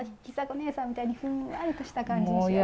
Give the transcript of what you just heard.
尚子ねえさんみたいにふんわりとした感じに仕上げて。